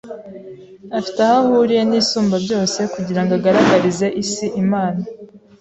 afite aho ahuriye n’Isumbabyose, kugira ngo agaragarize isi Imana